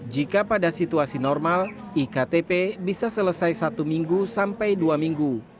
jika pada situasi normal iktp bisa selesai satu minggu sampai dua minggu